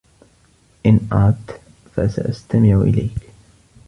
إن أردت، فسأستمع إليك.